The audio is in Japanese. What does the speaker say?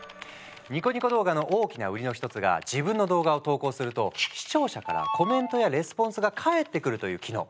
ニコニコ動画の大きな売りの一つが自分の動画を投稿すると視聴者からコメントやレスポンスが返ってくるという機能。